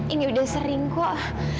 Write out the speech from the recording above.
ini udah sering kok